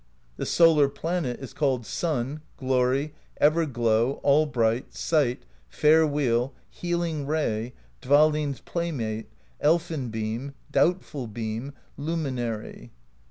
The solar planet is called Sun, Glory, Ever Glow, All Bright, Sight, Fair Wheel, Healing Ray, Dvalinn's Playmate, Elfin Beam, Doubtful Beam, Luminary.